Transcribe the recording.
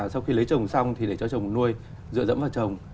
sau khi lấy chồng xong thì để cho chồng nuôi dựa dẫm vào trồng